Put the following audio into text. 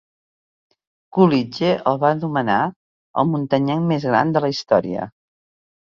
Coolidge el va anomenar "el muntanyenc més gran de la història".